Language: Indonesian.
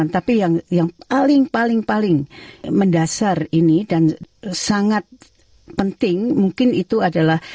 tapi yang paling paling mendasar ini dan sangat penting mungkin itu adalah